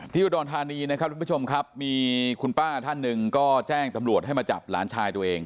อุดรธานีนะครับทุกผู้ชมครับมีคุณป้าท่านหนึ่งก็แจ้งตำรวจให้มาจับหลานชายตัวเอง